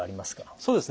そうですね